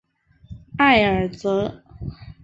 埃尔泽。